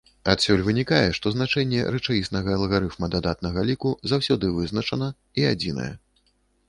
Адсюль вынікае, што значэнне рэчаіснага лагарыфма дадатнага ліку заўсёды вызначана і адзінае.